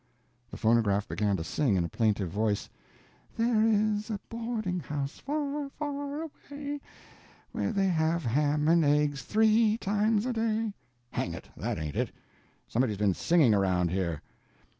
The phonograph began to sing in a plaintive voice: There is a boarding house, far far away, Where they have ham and eggs, 3 times a day. "Hang it, that ain't it. Somebody's been singing around here."